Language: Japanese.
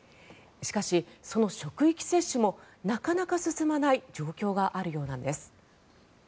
しかし、その職域接種もなかなか進まない状況があるようなんです。